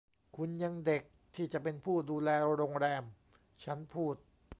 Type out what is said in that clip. คุณยังเด็กที่จะเป็นผู้ดูแลโรงแรม ฉันพูด